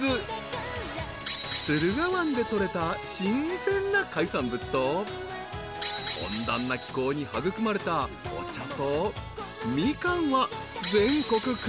［駿河湾で取れた新鮮な海産物と温暖な気候に育まれたお茶とミカンは全国屈指の生産量］